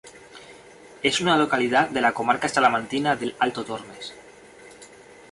Es una localidad de la comarca salmantina del Alto Tormes.